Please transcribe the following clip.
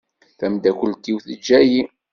Tamdakelt-iw teǧǧa-yi.